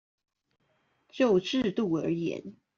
就制度而言